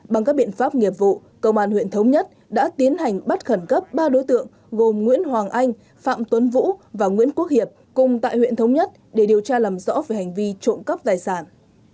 bằng các biện pháp nghiệp vụ công an huyện thống nhất đã tiến hành bắt khẩn cấp ba đối tượng gồm nguyễn hoàng anh phạm tuấn vũ và nguyễn quốc hiệp cùng tại huyện thống nhất để điều tra làm rõ về hành vi trộm cắp tài sản